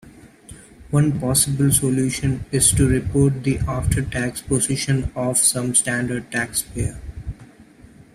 One possible solution is to report the after-tax position of some standard taxpayer.